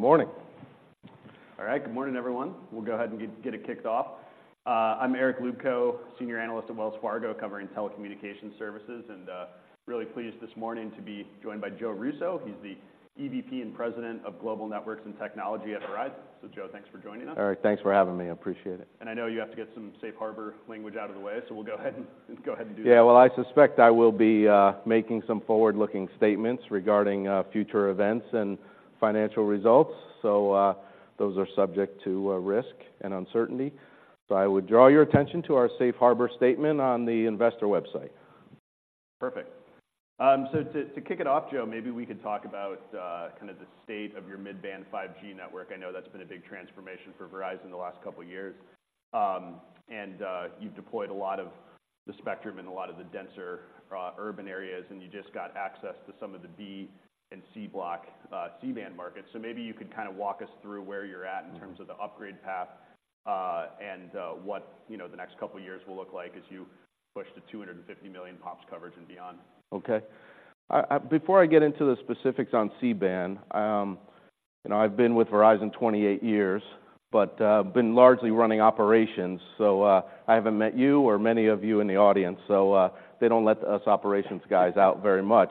Good morning! All right. Good morning, everyone. We'll go ahead and get it kicked off. I'm Eric Luebchow, Senior Analyst at Wells Fargo, covering telecommunications services, and really pleased this morning to be joined by Joe Russo. He's the EVP and President of Global Networks and Technology at Verizon. So Joe, thanks for joining us. Eric, thanks for having me. I appreciate it. I know you have to get some safe harbor language out of the way, so we'll go ahead and, go ahead and do that. Yeah, well, I suspect I will be making some forward-looking statements regarding future events and financial results, so those are subject to risk and uncertainty. So I would draw your attention to our safe harbor statement on the investor website. Perfect. So to kick it off, Joe, maybe we could talk about kind of the state of your mid-band 5G network. I know that's been a big transformation for Verizon the last couple years. And you've deployed a lot of the spectrum in a lot of the denser urban areas, and you just got access to some of the B and C Block C-band markets. So maybe you could kind of walk us through where you're at in terms of the upgrade path, and what you know the next couple of years will look like as you push to 250,000,000 POPs coverage and beyond. Okay. Before I get into the specifics on C-band, you know, I've been with Verizon 28 years, but been largely running operations, so I haven't met you or many of you in the audience, so they don't let us operations guys out very much.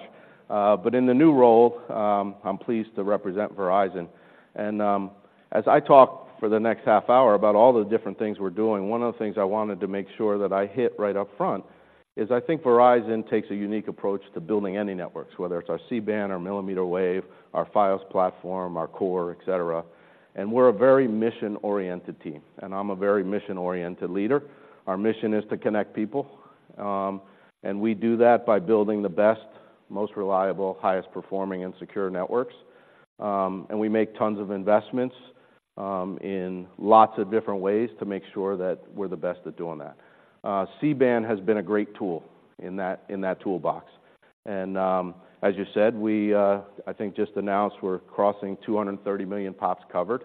But in the new role, I'm pleased to represent Verizon. As I talk for the next half hour about all the different things we're doing, one of the things I wanted to make sure that I hit right up front is I think Verizon takes a unique approach to building any networks, whether it's our C-band, our millimeter wave, our Fios platform, our core, et cetera. And we're a very mission-oriented team, and I'm a very mission-oriented leader. Our mission is to connect people, and we do that by building the best, most reliable, highest performing and secure networks. And we make tons of investments, in lots of different ways to make sure that we're the best at doing that. C-band has been a great tool in that, in that toolbox. And, as you said, we, I think, just announced we're crossing 230,000,000 POPs covered.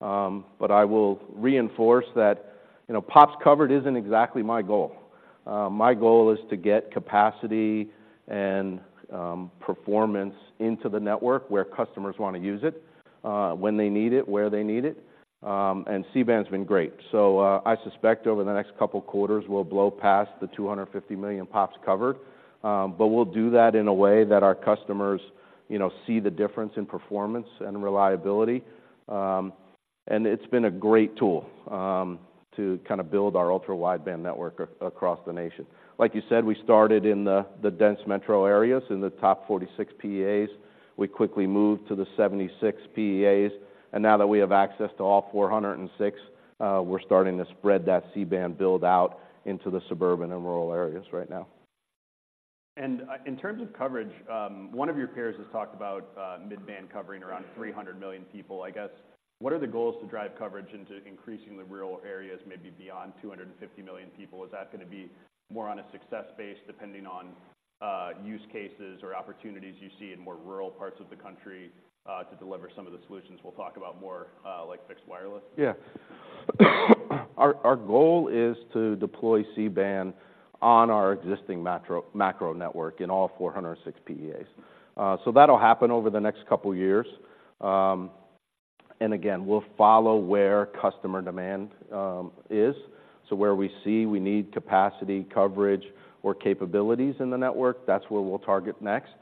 But I will reinforce that, you know, POPs covered isn't exactly my goal. My goal is to get capacity and, performance into the network where customers want to use it, when they need it, where they need it, and C-band's been great. I suspect over the next couple of quarters, we'll blow past the 250,000,000 POPs covered, but we'll do that in a way that our customers, you know, see the difference in performance and reliability. It's been a great tool to kind of build our Ultra Wideband network across the nation. Like you said, we started in the dense metro areas, in the top 46 PEAs. We quickly moved to the 76 PEAs, and now that we have access to all 406, we're starting to spread that C-band build out into the suburban and rural areas right now. In terms of coverage, one of your peers has talked about mid-band covering around 300,000,000 people. I guess, what are the goals to drive coverage into increasing the rural areas, maybe beyond 250,000,000 people? Is that gonna be more on a success base, depending on use cases or opportunities you see in more rural parts of the country to deliver some of the solutions we'll talk about more, like fixed wireless? Yeah. Our goal is to deploy C-band on our existing metro-macro network in all 406 PEAs. So that'll happen over the next couple of years. And again, we'll follow where customer demand is. So where we see we need capacity, coverage, or capabilities in the network, that's where we'll target next.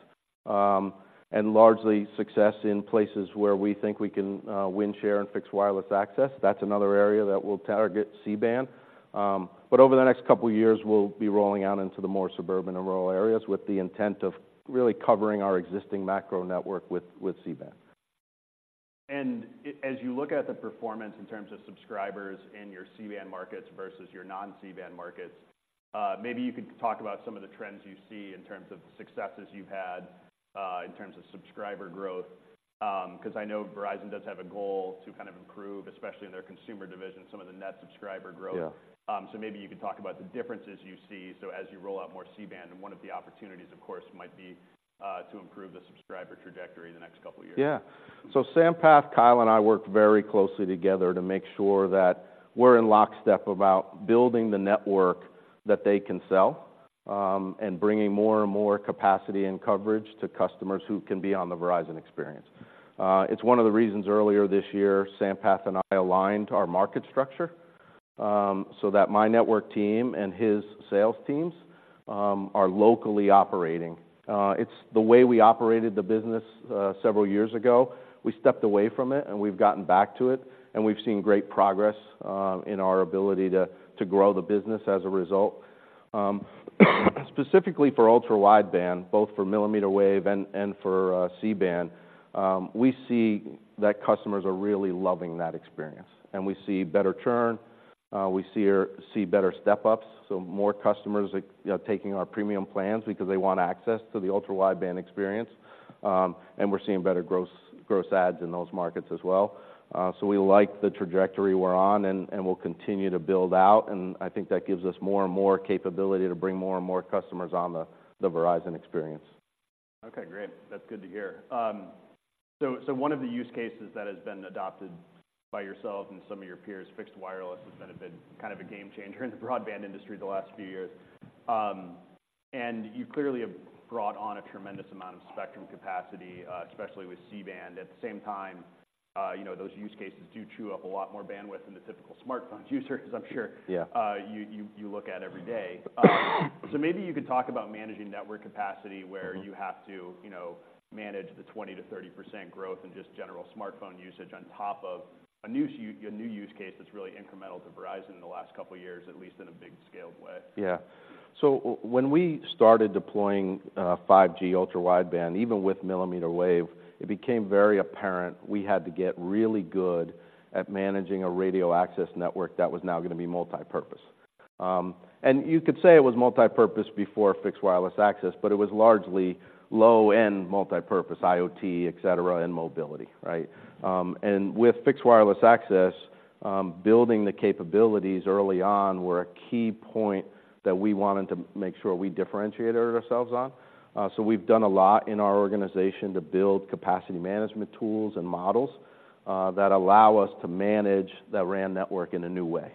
And largely success in places where we think we can win share and fixed wireless access. That's another area that we'll target C-band. But over the next couple of years, we'll be rolling out into the more suburban and rural areas with the intent of really covering our existing macro network with C-band. As you look at the performance in terms of subscribers in your C-band markets versus your non-C-band markets, maybe you could talk about some of the trends you see in terms of the successes you've had in terms of subscriber growth. Because I know Verizon does have a goal to kind of improve, especially in their consumer division, some of the net subscriber growth. Yeah. So maybe you could talk about the differences you see, so as you roll out more C-band, and one of the opportunities, of course, might be to improve the subscriber trajectory in the next couple of years. Yeah. So Sampath, Kyle, and I work very closely together to make sure that we're in lockstep about building the network that they can sell, and bringing more and more capacity and coverage to customers who can be on the Verizon experience. It's one of the reasons earlier this year, Sampath and I aligned our market structure, so that my network team and his sales teams are locally operating. It's the way we operated the business several years ago. We stepped away from it, and we've gotten back to it, and we've seen great progress in our ability to grow the business as a result. Specifically for Ultra Wideband, both for millimeter wave and for C-band, we see that customers are really loving that experience, and we see better churn. We see better step-ups, so more customers, you know, taking our premium plans because they want access to the Ultra Wideband experience. And we're seeing better gross adds in those markets as well. So we like the trajectory we're on, and we'll continue to build out, and I think that gives us more and more capability to bring more and more customers on the Verizon experience. Okay, great. That's good to hear. So, so one of the use cases that has been adopted by yourself and some of your peers, fixed wireless, has been a bit, kind of a game changer in the broadband industry the last few years. And you clearly have brought on a tremendous amount of spectrum capacity, especially with C-band. At the same time, you know, those use cases do chew up a lot more bandwidth than the typical smartphone users, I'm sure- Yeah. You look at every day. So maybe you could talk about managing network capacity- Mm-hmm. where you have to, you know, manage the 20%-30% growth in just general smartphone usage on top of a new—a new use case that's really incremental to Verizon in the last couple of years, at least in a big scaled way. Yeah. So when we started deploying 5G Ultra Wideband, even with millimeter wave, it became very apparent we had to get really good at managing a radio access network that was now going to be multipurpose. And you could say it was multipurpose before fixed wireless access, but it was largely low-end multipurpose, IoT, et cetera, and mobility, right? And with fixed wireless access, building the capabilities early on were a key point that we wanted to make sure we differentiated ourselves on. So we've done a lot in our organization to build capacity management tools and models that allow us to manage that RAN network in a new way.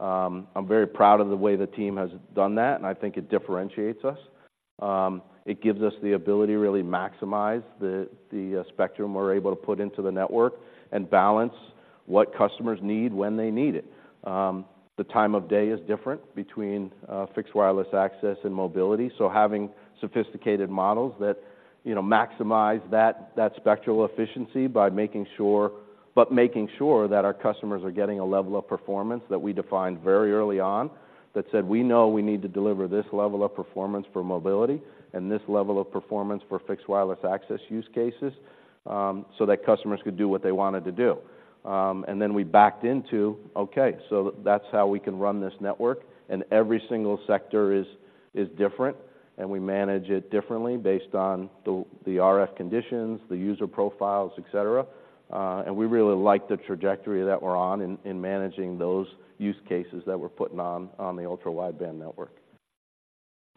I'm very proud of the way the team has done that, and I think it differentiates us. It gives us the ability to really maximize the spectrum we're able to put into the network and balance what customers need when they need it. The time of day is different between fixed wireless access and mobility, so having sophisticated models that, you know, maximize that spectral efficiency by making sure but making sure that our customers are getting a level of performance that we defined very early on, that said, we know we need to deliver this level of performance for mobility and this level of performance for fixed wireless access use cases, so that customers could do what they wanted to do. And then we backed into, okay, so that's how we can run this network, and every single sector is different, and we manage it differently based on the RF conditions, the user profiles, et cetera. We really like the trajectory that we're on in managing those use cases that we're putting on the ultra wideband network.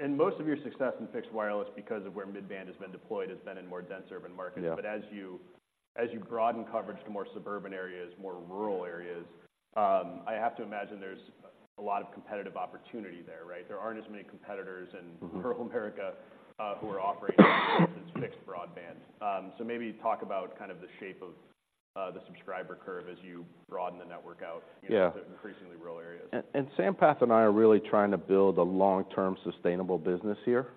Most of your success in fixed wireless, because of where mid-band has been deployed, has been in more dense urban markets. Yeah. But as you, as you broaden coverage to more suburban areas, more rural areas, I have to imagine there's a lot of competitive opportunity there, right? There aren't as many competitors in- Mm-hmm rural America, who are operating fixed broadband. So maybe talk about kind of the shape of the subscriber curve as you broaden the network out. Yeah... into increasingly rural areas. Sampath and I are really trying to build a long-term, sustainable business here.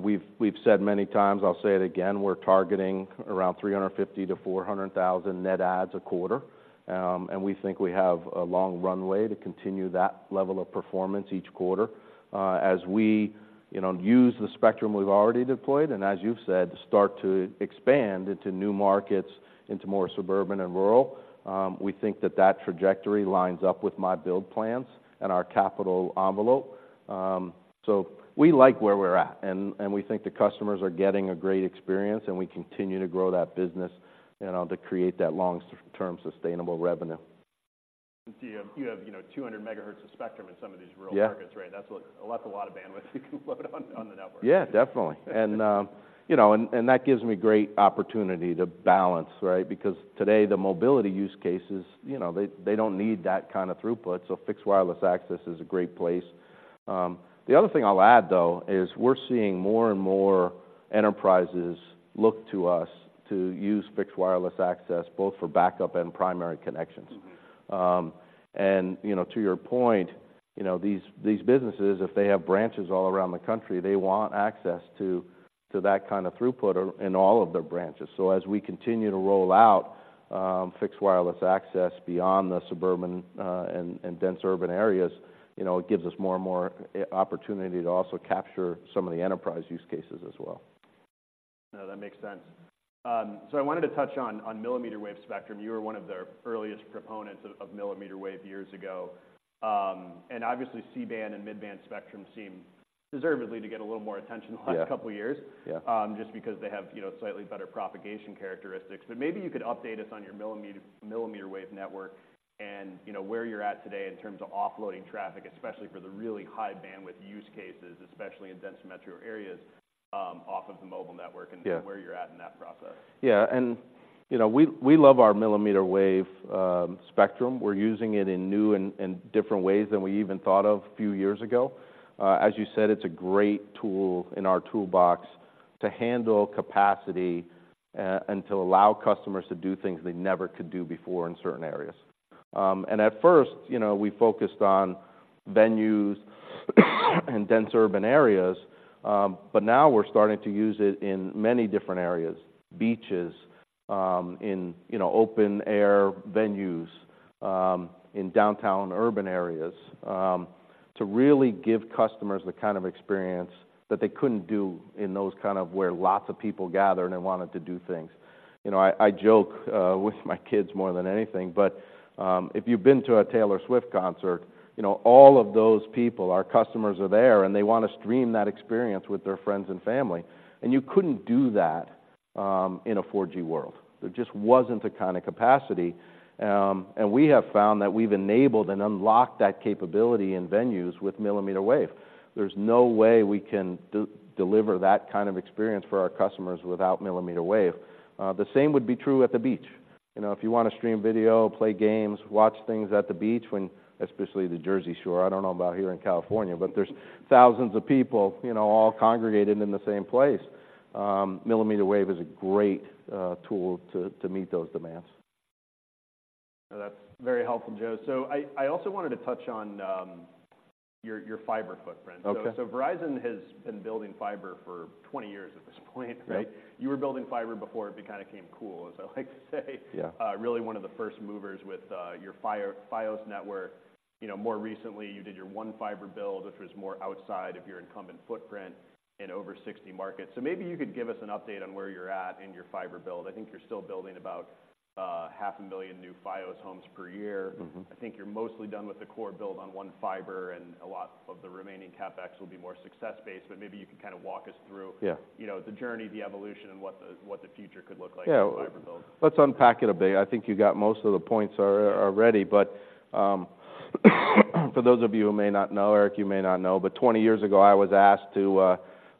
We've said many times, I'll say it again, we're targeting around 350-400 thousand net adds a quarter, and we think we have a long runway to continue that level of performance each quarter. As we, you know, use the spectrum we've already deployed, and as you've said, start to expand into new markets, into more suburban and rural, we think that that trajectory lines up with my build plans and our capital envelope. So we like where we're at, and we think the customers are getting a great experience, and we continue to grow that business, you know, to create that long-term, sustainable revenue. So you have, you know, 200 megahertz of spectrum in some of these rural markets- Yeah. Right? That's what... Well, that's a lot of bandwidth you can load on, on the network. Yeah, definitely. And, you know, and, and that gives me great opportunity to balance, right? Because today, the mobility use cases, you know, they, they don't need that kind of throughput, so fixed wireless access is a great place. The other thing I'll add, though, is we're seeing more and more enterprises look to us to use fixed wireless access, both for backup and primary connections. Mm-hmm. And, you know, to your point, you know, these businesses, if they have branches all around the country, they want access to that kind of throughput in all of their branches. So as we continue to roll out fixed wireless access beyond the suburban and dense urban areas, you know, it gives us more and more opportunity to also capture some of the enterprise use cases as well. No, that makes sense. So I wanted to touch on, on millimeter wave spectrum. You were one of the earliest proponents of, of millimeter wave years ago. And obviously, C-band and mid-band spectrum seem deservedly to get a little more attention- Yeah the last couple of years. Yeah. Just because they have, you know, slightly better propagation characteristics. But maybe you could update us on your millimeter wave network and, you know, where you're at today in terms of offloading traffic, especially for the really high bandwidth use cases, especially in dense metro areas, off of the mobile network- Yeah and where you're at in that process. Yeah, and, you know, we, we love our millimeter wave spectrum. We're using it in new and different ways than we even thought of a few years ago. As you said, it's a great tool in our toolbox to handle capacity and to allow customers to do things they never could do before in certain areas. And at first, you know, we focused on venues in dense urban areas, but now we're starting to use it in many different areas: beaches, in, you know, open-air venues, in downtown urban areas, to really give customers the kind of experience that they couldn't do in those kind of... where lots of people gathered and wanted to do things. You know, I joke with my kids more than anything, but, if you've been to a Taylor Swift concert, you know, all of those people, our customers, are there, and they want to stream that experience with their friends and family, and you couldn't do that in a 4G world. There just wasn't the kind of capacity, and we have found that we've enabled and unlocked that capability in venues with millimeter wave. There's no way we can deliver that kind of experience for our customers without millimeter wave. The same would be true at the beach... you know, if you want to stream video, play games, watch things at the beach, when, especially the Jersey Shore, I don't know about here in California, but there's thousands of people, you know, all congregated in the same place. Millimeter wave is a great tool to meet those demands. That's very helpful, Joe. So I also wanted to touch on your fiber footprint. Okay. Verizon has been building fiber for 20 years at this point, right? You were building fiber before it kind of became cool, as I like to say. Yeah. Really one of the first movers with your Fios network. You know, more recently, you did your One Fiber build, which was more outside of your incumbent footprint in over 60 markets. So maybe you could give us an update on where you're at in your fiber build. I think you're still building about 500,000 new Fios homes per year. Mm-hmm. I think you're mostly done with the core build on One Fiber, and a lot of the remaining CapEx will be more success-based, but maybe you could kind of walk us through- Yeah... you know, the journey, the evolution, and what the future could look like with fiber build. Yeah. Let's unpack it a bit. I think you got most of the points already. But for those of you who may not know, Eric, you may not know, but 20 years ago, I was asked to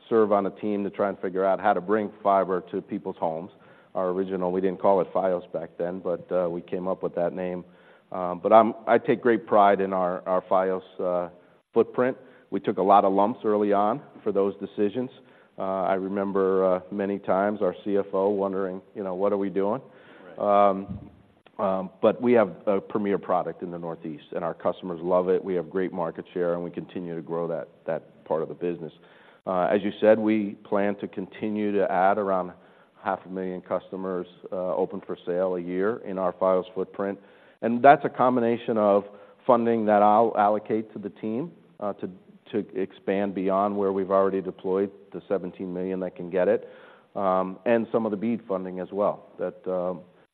serve on a team to try and figure out how to bring fiber to people's homes. We didn't call it Fios back then, but we came up with that name. But I take great pride in our Fios footprint. We took a lot of lumps early on for those decisions. I remember many times our CFO wondering, you know, "What are we doing? Right. But we have a premier product in the Northeast, and our customers love it. We have great market share, and we continue to grow that part of the business. As you said, we plan to continue to add around 500,000 customers, open for sale a year in our Fios footprint, and that's a combination of funding that I'll allocate to the team to expand beyond where we've already deployed the 17,000,000 that can get it, and some of the BEAD funding as well.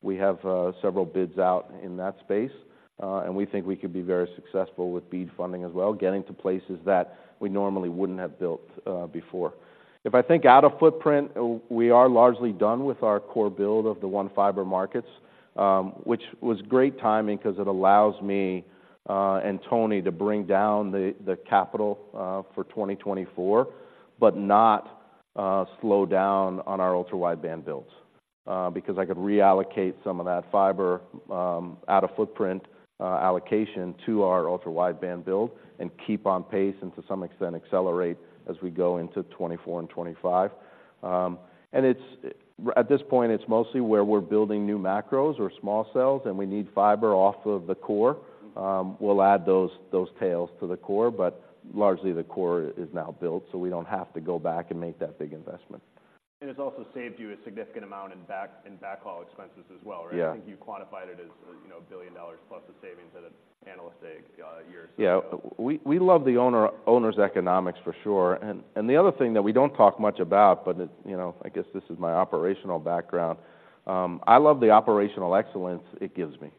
We have several bids out in that space, and we think we could be very successful with BEAD funding as well, getting to places that we normally wouldn't have built before. If I think out of footprint, we are largely done with our core build of the One Fiber markets, which was great timing because it allows me and Tony to bring down the capital for 2024, but not slow down on our Ultra Wideband builds. Because I could reallocate some of that fiber out-of-footprint allocation to our Ultra Wideband build and keep on pace, and to some extent, accelerate as we go into 2024 and 2025. And at this point, it's mostly where we're building new macros or small cells, and we need fiber off of the core. We'll add those tails to the core, but largely, the core is now built, so we don't have to go back and make that big investment. It's also saved you a significant amount in backhaul expenses as well, right? Yeah. I think you quantified it as, you know, $1,000,000,000 plus of savings at an analyst day years ago. Yeah. We love the owner's economics for sure. And the other thing that we don't talk much about, but you know, I guess this is my operational background, I love the operational excellence it gives me.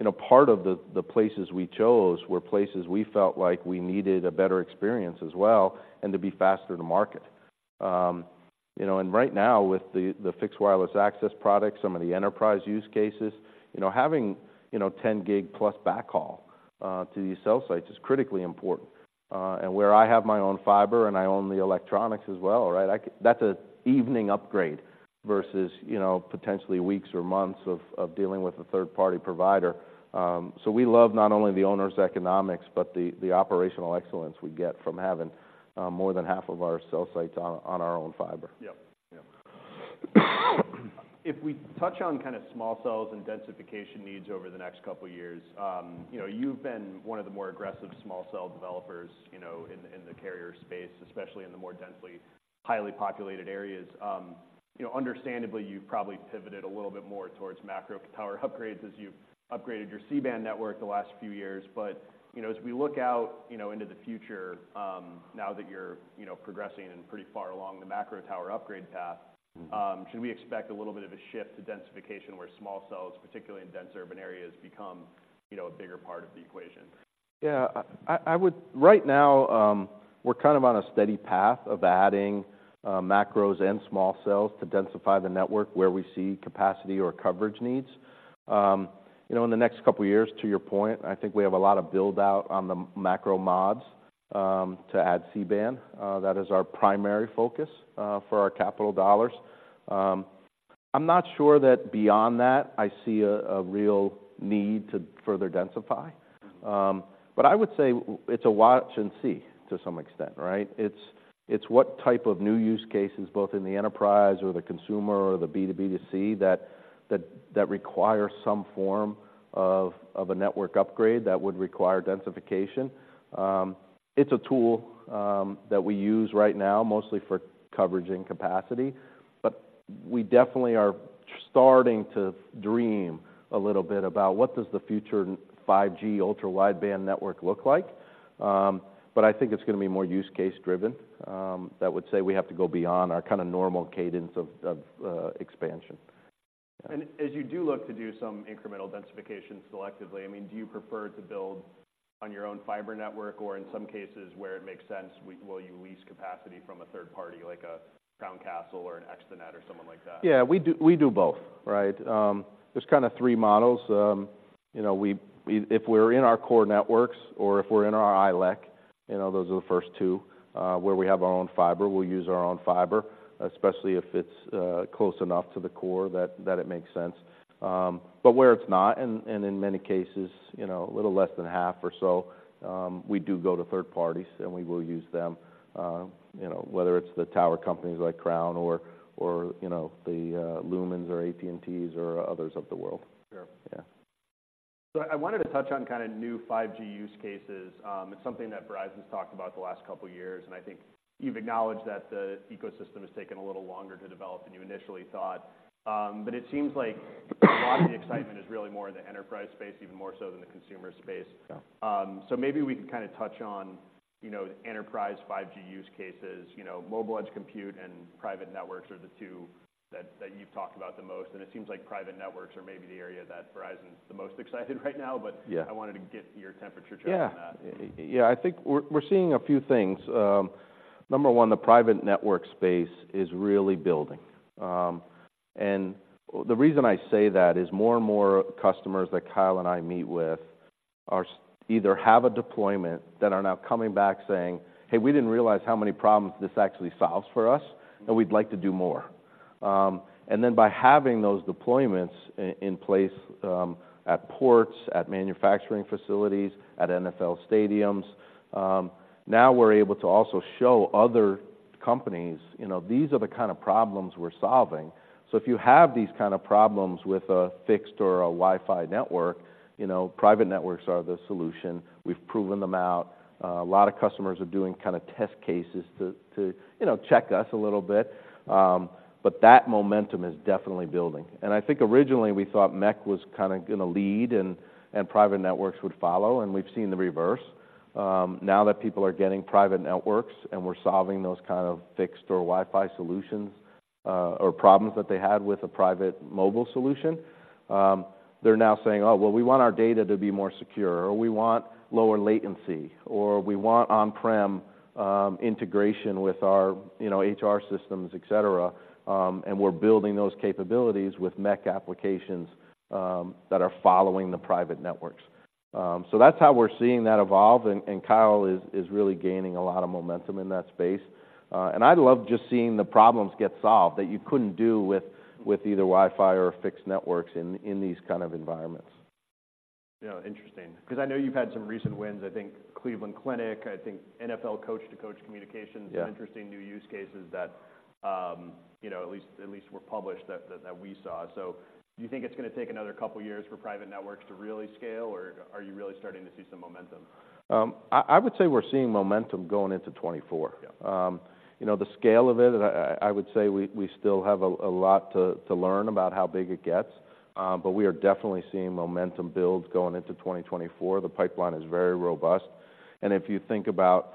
You know, part of the places we chose were places we felt like we needed a better experience as well and to be faster to market. You know, and right now, with the fixed wireless access products, some of the enterprise use cases, you know, having 10 gig plus backhaul to these cell sites is critically important. And where I have my own fiber and I own the electronics as well, right? That's an evening upgrade versus, you know, potentially weeks or months of dealing with a third-party provider. So, we love not only the owner's economics, but the operational excellence we get from having more than half of our cell sites on our own fiber. Yep. Yep. If we touch on kind of small cells and densification needs over the next couple of years, you know, you've been one of the more aggressive small cell developers, you know, in, in the carrier space, especially in the more densely, highly populated areas. You know, understandably, you've probably pivoted a little bit more towards macro tower upgrades as you've upgraded your C-band network the last few years. But, you know, as we look out, you know, into the future, now that you're, you know, progressing and pretty far along the macro tower upgrade path- Mm-hmm... should we expect a little bit of a shift to densification, where small cells, particularly in dense urban areas, become, you know, a bigger part of the equation? Yeah, I would. Right now, we're kind of on a steady path of adding macros and small cells to densify the network where we see capacity or coverage needs. You know, in the next couple of years, to your point, I think we have a lot of build-out on the macro mods to add C-band. That is our primary focus for our capital dollars. I'm not sure that beyond that, I see a real need to further densify. But I would say it's a watch and see to some extent, right? It's what type of new use cases, both in the enterprise or the consumer or the B2B2C, that require some form of a network upgrade that would require densification. It's a tool that we use right now, mostly for coverage and capacity, but we definitely are starting to dream a little bit about what does the future 5G Ultra Wideband network look like? But I think it's gonna be more use case driven. That would say we have to go beyond our kind of normal cadence of expansion. As you do look to do some incremental densification selectively, I mean, do you prefer to build on your own fiber network, or in some cases where it makes sense, will you lease capacity from a third party, like a Crown Castle or an ExteNet or someone like that? Yeah, we do, we do both, right? There's kind of three models. You know, we if we're in our core networks or if we're in our ILEC. You know, those are the first two, where we have our own fiber. We'll use our own fiber, especially if it's close enough to the core that it makes sense. But where it's not, and in many cases, you know, a little less than half or so, we do go to third parties, and we will use them, you know, whether it's the tower companies like Crown or, you know, the Lumen or AT&T's or others of the world. Sure. Yeah. I wanted to touch on kinda new 5G use cases. It's something that Verizon's talked about the last couple years, and I think you've acknowledged that the ecosystem has taken a little longer to develop than you initially thought. But it seems like a lot of the excitement is really more in the enterprise space, even more so than the consumer space. Yeah. So maybe we can kinda touch on, you know, enterprise 5G use cases. You know, mobile edge compute and private networks are the two that you've talked about the most, and it seems like private networks are maybe the area that Verizon's the most excited right now. Yeah. I wanted to get your temperature check on that. Yeah. Yeah, I think we're seeing a few things. Number one, the private network space is really building. And the reason I say that is more and more customers that Kyle and I meet with are either have a deployment that are now coming back saying, "Hey, we didn't realize how many problems this actually solves for us, and we'd like to do more." And then by having those deployments in place at ports, at manufacturing facilities, at NFL stadiums, now we're able to also show other companies, you know, these are the kind of problems we're solving. So if you have these kind of problems with a fixed or a Wi-Fi network, you know, private networks are the solution. We've proven them out. A lot of customers are doing kinda test cases to, to, you know, check us a little bit. But that momentum is definitely building. And I think originally, we thought MEC was kinda gonna lead and private networks would follow, and we've seen the reverse. Now that people are getting private networks, and we're solving those kind of fixed or Wi-Fi solutions, or problems that they had with a private mobile solution, they're now saying, "Oh, well, we want our data to be more secure," or, "We want lower latency," or, "We want on-prem, integration with our, you know, HR systems," et cetera. And we're building those capabilities with MEC applications, that are following the private networks. So that's how we're seeing that evolve, and Kyle is really gaining a lot of momentum in that space. And I love just seeing the problems get solved that you couldn't do with either Wi-Fi or fixed networks in these kind of environments. Yeah, interesting. 'Cause I know you've had some recent wins. I think Cleveland Clinic, I think NFL Coach to Coach communications- Yeah... interesting new use cases that, you know, at least were published that we saw. So do you think it's gonna take another couple years for private networks to really scale, or are you really starting to see some momentum? I would say we're seeing momentum going into 2024. Yeah. You know, the scale of it, I would say we still have a lot to learn about how big it gets, but we are definitely seeing momentum builds going into 2024. The pipeline is very robust. And if you think about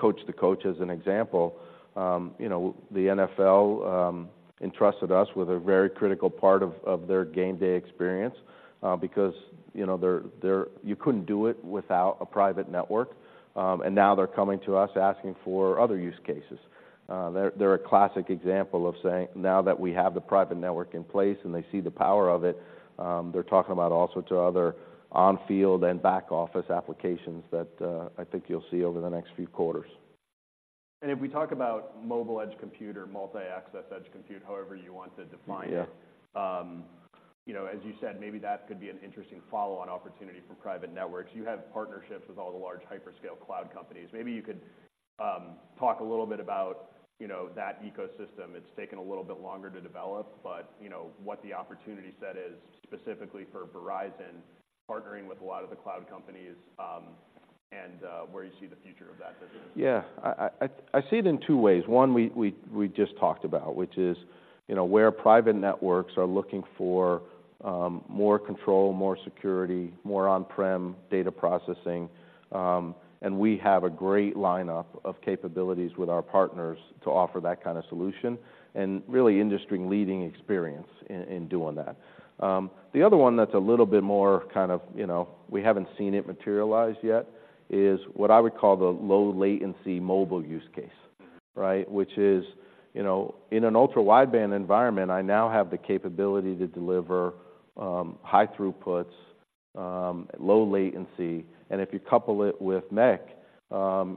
Coach to Coach as an example, you know, the NFL entrusted us with a very critical part of their game day experience, because, you know, they're you couldn't do it without a private network. And now they're coming to us, asking for other use cases. They're a classic example of saying, now that we have the private network in place and they see the power of it, they're talking about all sorts of other on-field and back-office applications that I think you'll see over the next few quarters. If we talk about mobile edge compute or multi-access edge compute, however you want to define it. Yeah... you know, as you said, maybe that could be an interesting follow-on opportunity for private networks. You have partnerships with all the large hyperscale cloud companies. Maybe you could talk a little bit about, you know, that ecosystem. It's taken a little bit longer to develop, but, you know, what the opportunity set is specifically for Verizon, partnering with a lot of the cloud companies, and where you see the future of that business. Yeah. I see it in two ways. One, we just talked about, which is, you know, where private networks are looking for more control, more security, more on-prem data processing, and we have a great lineup of capabilities with our partners to offer that kind of solution, and really industry-leading experience in doing that. The other one that's a little bit more kind of, you know, we haven't seen it materialize yet, is what I would call the low latency mobile use case, right? Which is, you know, in an ultra-wideband environment, I now have the capability to deliver, high throughputs, low latency, and if you couple it with MEC,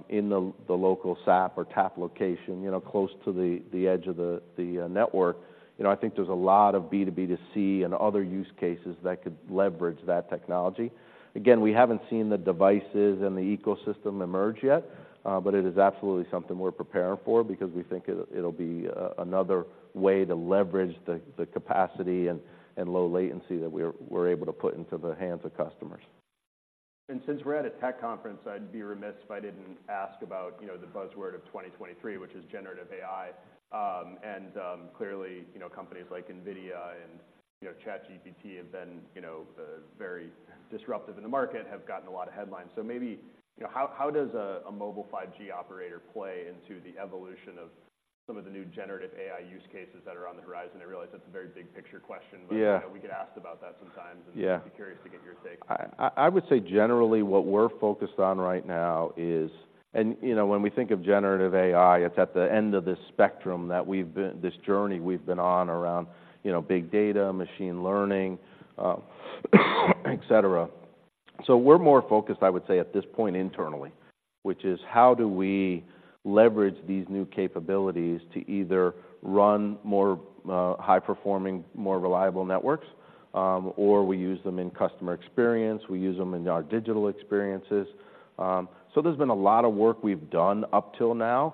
in the local SAP or TAP location, you know, close to the edge of the network, you know, I think there's a lot of B to B to C and other use cases that could leverage that technology. Again, we haven't seen the devices and the ecosystem emerge yet, but it is absolutely something we're preparing for because we think it, it'll be a, another way to leverage the capacity and low latency that we're able to put into the hands of customers. Since we're at a tech conference, I'd be remiss if I didn't ask about, you know, the buzzword of 2023, which is generative AI. And clearly, you know, companies like NVIDIA and, you know, ChatGPT have been, you know, very disruptive in the market, have gotten a lot of headlines. So maybe, you know, how does a mobile 5G operator play into the evolution of some of the new generative AI use cases that are on the horizon? I realize that's a very big picture question, but- Yeah... you know, we get asked about that sometimes- Yeah and be curious to get your take. I would say generally, what we're focused on right now is... And, you know, when we think of generative AI, it's at the end of this spectrum that we've been-- this journey we've been on around, you know, big data, machine learning, et cetera.... So we're more focused, I would say, at this point, internally, which is: how do we leverage these new capabilities to either run more, high-performing, more reliable networks, or we use them in customer experience, we use them in our digital experiences? So there's been a lot of work we've done up till now,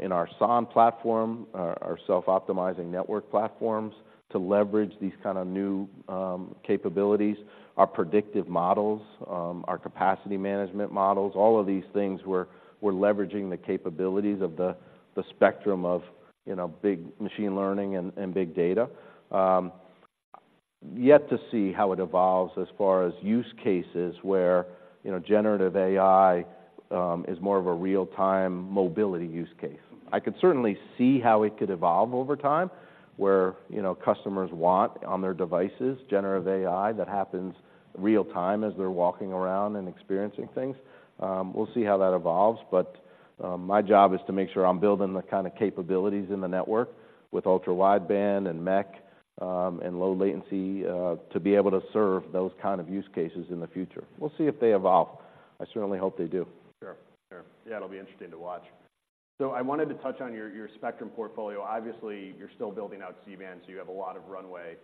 in our SON platform, our self-optimizing network platforms, to leverage these kind of new, capabilities, our predictive models, our capacity management models, all of these things we're leveraging the capabilities of the spectrum of, you know, big machine learning and big data. Yet to see how it evolves as far as use cases where, you know, generative AI is more of a real-time mobility use case. I could certainly see how it could evolve over time, where, you know, customers want on their devices generative AI that happens real time as they're walking around and experiencing things. We'll see how that evolves, but, my job is to make sure I'm building the kind of capabilities in the network with Ultra Wideband and MEC, and low latency, to be able to serve those kind of use cases in the future. We'll see if they evolve. I certainly hope they do. Sure. Sure. Yeah, it'll be interesting to watch. So I wanted to touch on your spectrum portfolio. Obviously, you're still building out C-band, so you have a lot of runway.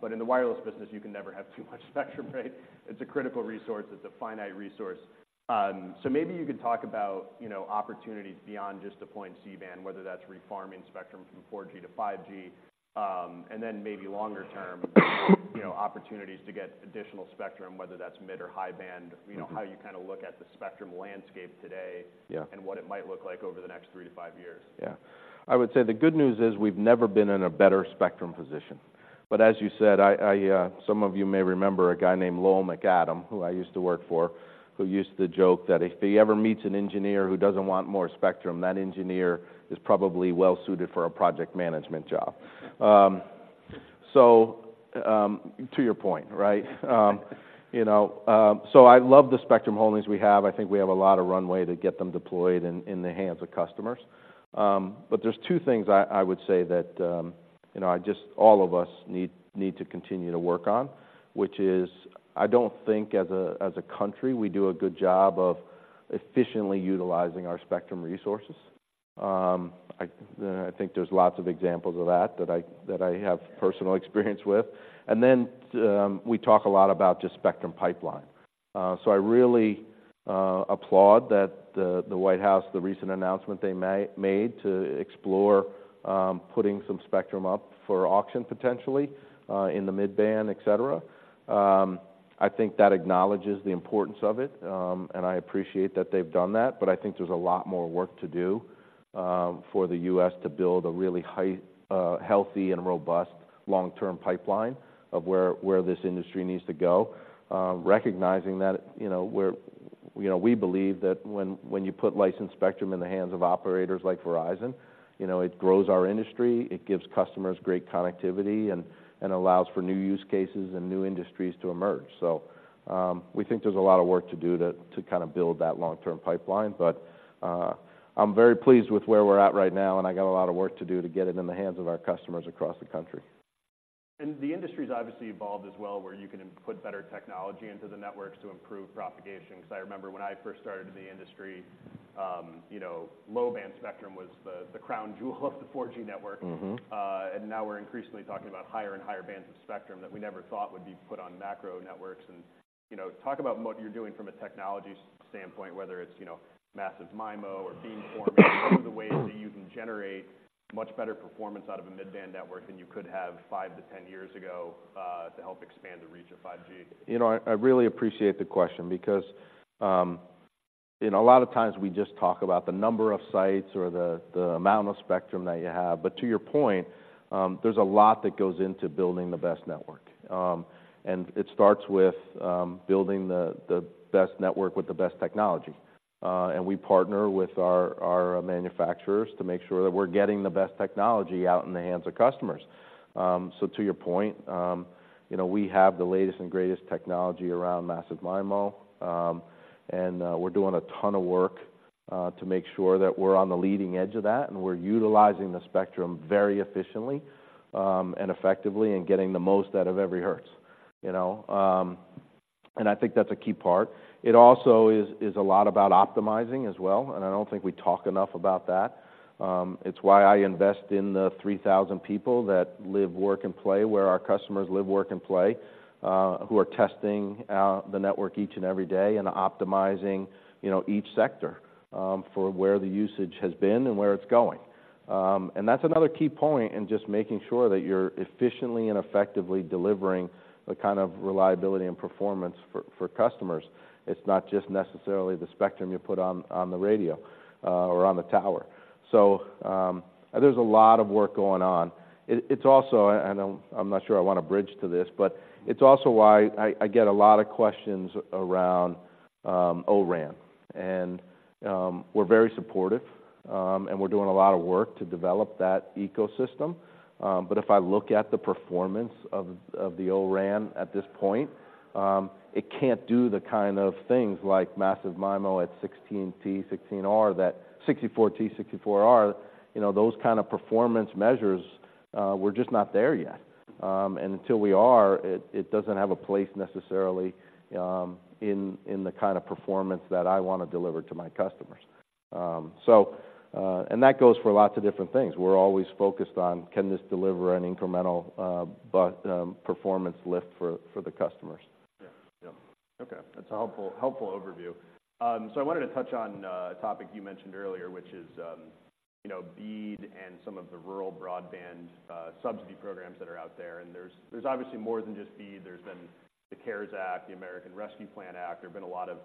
But in the wireless business, you can never have too much spectrum, right? It's a critical resource. It's a finite resource. So maybe you could talk about, you know, opportunities beyond just deployment C-band, whether that's refarming spectrum from 4G to 5G, and then maybe longer term, you know, opportunities to get additional spectrum, whether that's mid or high band- Mm-hmm. you know, how you kinda look at the spectrum landscape today- Yeah... and what it might look like over the next 3-5 years. Yeah. I would say the good news is, we've never been in a better spectrum position, but as you said, I, some of you may remember a guy named Lowell McAdam, who I used to work for, who used to joke that if he ever meets an engineer who doesn't want more spectrum, that engineer is probably well suited for a project management job. So, to your point, right? You know, so I love the spectrum holdings we have. I think we have a lot of runway to get them deployed in the hands of customers. But there's two things I would say that, you know, I just, all of us need to continue to work on, which is, I don't think as a country, we do a good job of efficiently utilizing our spectrum resources. I think there's lots of examples of that that I have personal experience with. And then, we talk a lot about just spectrum pipeline. So I really applaud that the White House, the recent announcement they made to explore putting some spectrum up for auction, potentially, in the mid-band, et cetera. I think that acknowledges the importance of it, and I appreciate that they've done that, but I think there's a lot more work to do for the U.S. to build a really healthy and robust long-term pipeline of where this industry needs to go. Recognizing that, you know, we're... You know, we believe that when you put licensed spectrum in the hands of operators like Verizon, you know, it grows our industry, it gives customers great connectivity, and allows for new use cases and new industries to emerge. So, we think there's a lot of work to do to kind of build that long-term pipeline, but, I'm very pleased with where we're at right now, and I got a lot of work to do to get it in the hands of our customers across the country. The industry's obviously evolved as well, where you can input better technology into the networks to improve propagation, 'cause I remember when I first started in the industry, you know, low-band spectrum was the crown jewel of the 4G network. Mm-hmm. And now we're increasingly talking about higher and higher bands of spectrum that we never thought would be put on macro networks. And, you know, talk about what you're doing from a technology standpoint, whether it's, you know, Massive MIMO or beamforming, some of the ways that you can generate much better performance out of a mid-band network than you could have 5-10 years ago, to help expand the reach of 5G. You know, I really appreciate the question because, you know, a lot of times we just talk about the number of sites or the amount of spectrum that you have, but to your point, there's a lot that goes into building the best network. It starts with building the best network with the best technology, and we partner with our manufacturers to make sure that we're getting the best technology out in the hands of customers. So to your point, you know, we have the latest and greatest technology around Massive MIMO, and we're doing a ton of work to make sure that we're on the leading edge of that, and we're utilizing the spectrum very efficiently, and effectively, and getting the most out of every hertz, you know? And I think that's a key part. It also is a lot about optimizing as well, and I don't think we talk enough about that. It's why I invest in the 3,000 people that live, work, and play where our customers live, work, and play, who are testing the network each and every day and optimizing, you know, each sector, for where the usage has been and where it's going. And that's another key point in just making sure that you're efficiently and effectively delivering the kind of reliability and performance for customers. It's not just necessarily the spectrum you put on the radio or on the tower. So, there's a lot of work going on. It's also and I'm not sure I want to bridge to this, but it's also why I get a lot of questions around O-RAN, and we're very supportive and we're doing a lot of work to develop that ecosystem. But if I look at the performance of the O-RAN at this point, it can't do the kind of things like Massive MIMO at 16T16R that 64T64R, you know, those kind of performance measures, we're just not there yet. And until we are, it doesn't have a place necessarily in the kind of performance that I want to deliver to my customers. So and that goes for lots of different things. We're always focused on: Can this deliver an incremental but performance lift for the customers? Yeah. Yeah. Okay, that's a helpful, helpful overview. So I wanted to touch on a topic you mentioned earlier, which is, you know, BEAD and some of the rural broadband subsidy programs that are out there. And there's, there's obviously more than just BEAD. There's been the CARES Act, the American Rescue Plan Act. There have been a lot of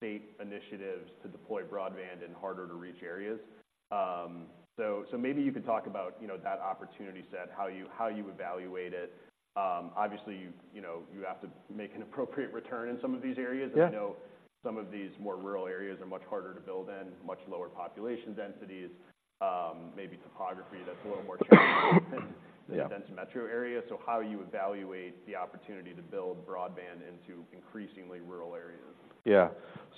state initiatives to deploy broadband in harder to reach areas. So, maybe you could talk about, you know, that opportunity set, how you, how you evaluate it. Obviously, you, you know, you have to make an appropriate return in some of these areas. Yeah. I know some of these more rural areas are much harder to build in, much lower population densities, maybe topography that's a little more challenging- Yeah. than dense metro areas. So how you evaluate the opportunity to build broadband into increasingly rural areas? Yeah.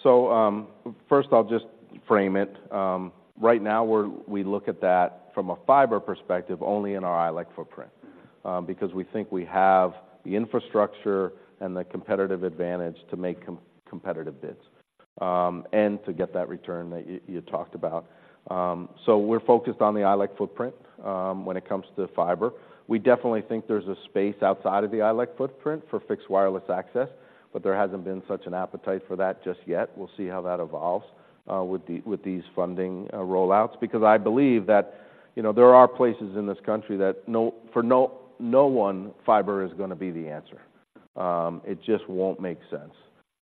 So, first, I'll just frame it. Right now, we look at that from a fiber perspective, only in our ILEC footprint, because we think we have the infrastructure and the competitive advantage to make competitive bids, and to get that return that you talked about. So we're focused on the ILEC footprint, when it comes to fiber. We definitely think there's a space outside of the ILEC footprint for fixed wireless access, but there hasn't been such an appetite for that just yet. We'll see how that evolves with these funding rollouts, because I believe that, you know, there are places in this country that for no one fiber is gonna be the answer. It just won't make sense.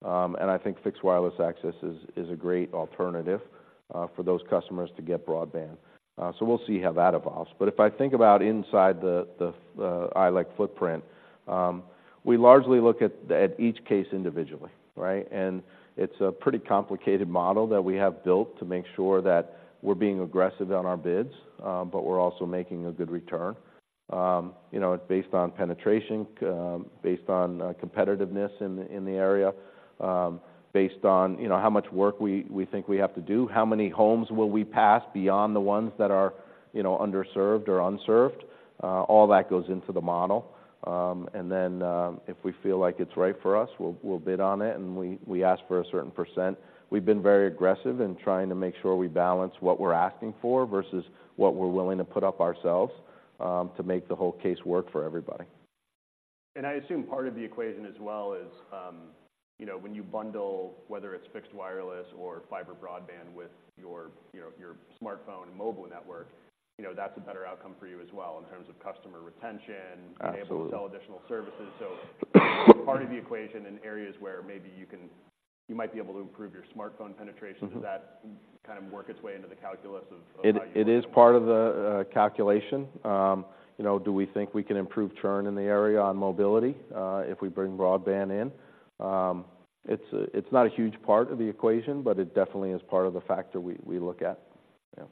I think fixed wireless access is a great alternative for those customers to get broadband. So we'll see how that evolves. But if I think about inside the ILEC footprint, we largely look at each case individually, right? And it's a pretty complicated model that we have built to make sure that we're being aggressive on our bids, but we're also making a good return. You know, it's based on penetration, based on competitiveness in the area, based on, you know, how much work we think we have to do, how many homes will we pass beyond the ones that are, you know, underserved or unserved. All that goes into the model. And then, if we feel like it's right for us, we'll bid on it, and we ask for a certain percent. We've been very aggressive in trying to make sure we balance what we're asking for versus what we're willing to put up ourselves, to make the whole case work for everybody. I assume part of the equation as well is, you know, when you bundle, whether it's fixed wireless or fiber broadband with your, you know, your smartphone and mobile network, you know, that's a better outcome for you as well in terms of customer retention- Absolutely... able to sell additional services. So part of the equation in areas where maybe you might be able to improve your smartphone penetration- Mm-hmm does that kind of work its way into the calculus of, of how you- It, it is part of the calculation. You know, do we think we can improve churn in the area on mobility, if we bring broadband in? It's, it's not a huge part of the equation, but it definitely is part of the factor we, we look at. Yeah.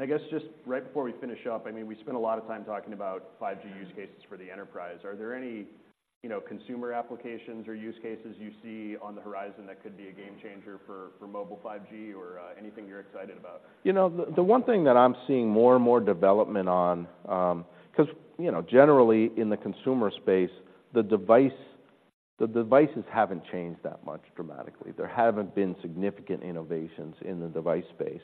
I guess just right before we finish up, I mean, we spent a lot of time talking about 5G use cases for the enterprise. Are there any, you know, consumer applications or use cases you see on the horizon that could be a game changer for mobile 5G or anything you're excited about? You know, the one thing that I'm seeing more and more development on, 'cause, you know, generally in the consumer space, the device, the devices haven't changed that much dramatically. There haven't been significant innovations in the device space.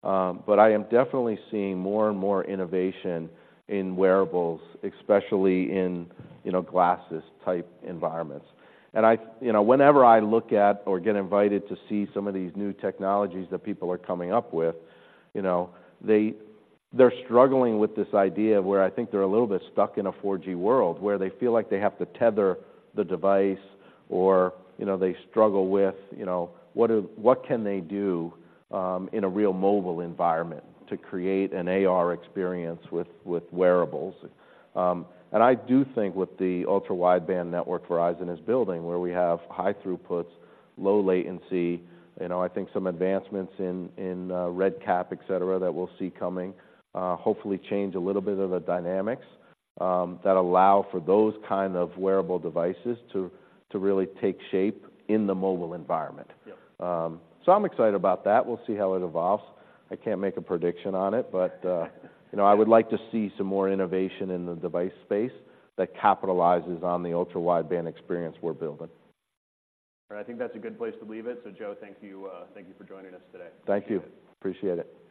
But I am definitely seeing more and more innovation in wearables, especially in, you know, glasses-type environments. And I, you know, whenever I look at or get invited to see some of these new technologies that people are coming up with, you know, they're struggling with this idea of where I think they're a little bit stuck in a 4G world, where they feel like they have to tether the device or, you know, they struggle with, you know, what can they do in a real mobile environment to create an AR experience with, with wearables? and I do think with the ultra-wideband network Verizon is building, where we have high throughputs, low latency, you know, I think some advancements in RedCap, et cetera, that we'll see coming, hopefully change a little bit of the dynamics that allow for those kind of wearable devices to really take shape in the mobile environment. Yeah. I'm excited about that. We'll see how it evolves. I can't make a prediction on it, but, you know, I would like to see some more innovation in the device space that capitalizes on the ultra-wideband experience we're building. I think that's a good place to leave it. So Joe, thank you. Thank you for joining us today. Thank you. Appreciate it.